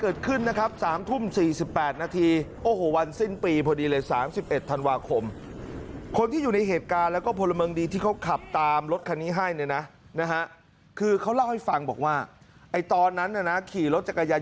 รถคันนี้ให้เนี่ยนะนะฮะคือเขาเล่าให้ฟังบอกว่าไอ้ตอนนั้นน่ะนะขี่รถจักรยายน